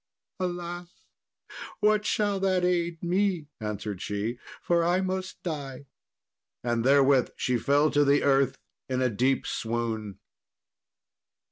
"Alas! what shall that aid me?" answered she; "for I must die," and therewith she fell to the earth in a deep swoon.